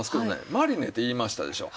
マリネって言いましたでしょう。